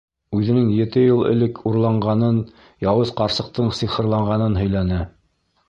Үҙенең ете йыл элек урланғанын, яуыз ҡарсыҡтың сихырлағанын һөйләне.